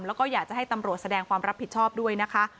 แล้วก็อยากจะให้ตำรวจแสดงความรับผิดชอบด้วยนะคะ